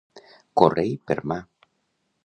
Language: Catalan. Córrer-hi per mà.